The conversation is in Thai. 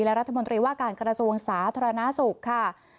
และรัฐมนตรีว่าการกระทรวงสาธารณสุขค่ะ